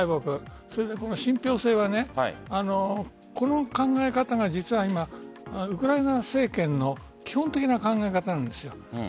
信憑性はこの考え方が実は今ウクライナ政権の基本的な考え方なんです。